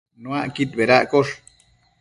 Nuacquid bedaccosh